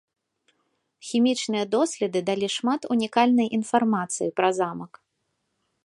Хімічныя доследы далі шмат унікальнай інфармацыі пра замак.